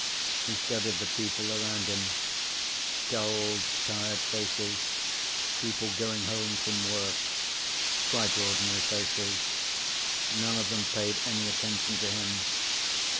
He studied the people around him. Dulled, tired faces. People going home from work. Quite ordinary faces. None of them paid any attention to him.